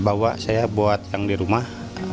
bawa saya buat yang di rumah